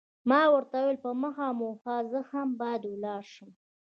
ما ورته وویل، په مخه مو ښه، زه هم باید ولاړ شم.